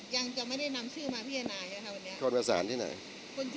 ยังจะไม่ได้นำชื่อมาพี่ไอนายนะครับวันนี้